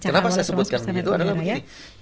kenapa saya sebutkan gitu adalah begini